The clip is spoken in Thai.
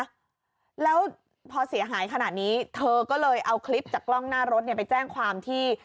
แล้วพอเสียหายขนาดนี้เธอก็เลยเอาคลิปจากกล้องหน้ารถเนี่ยไปแจ้งความที่